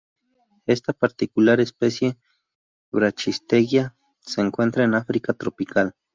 Esta particular especie de "Brachystegia" se encuentra en África tropical.